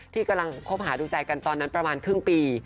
ที่กำลังคบหาดูใจกันตอนนั้นประมาณครึ่งปี